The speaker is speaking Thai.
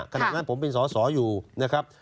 ขณะนั้นผมเป็นสอสออยู่นะครับ